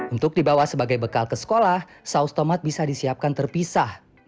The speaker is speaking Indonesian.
untuk dibawa sebagai bekal ke sekolah saus tomat bisa disiapkan terpisah